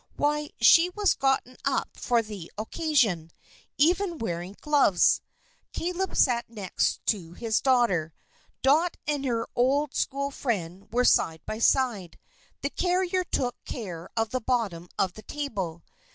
Why, she was gotten up for the occasion; even wearing gloves. Caleb sat next his daughter. Dot and her old school friend were side by side. The carrier took care of the bottom of the table.